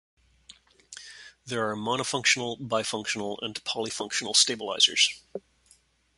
There are monofunctional, bifunctional, and polyfunctional stabilizers.